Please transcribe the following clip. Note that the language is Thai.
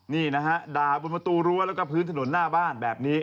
นี่นะฮะด่าบนประตูรั้วแล้วก็พื้นถนนหน้าบ้านแบบนี้